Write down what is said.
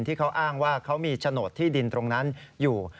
ที่เขาอ้างว่าเขามีโฉนดที่ดินตรงนั้นอยู่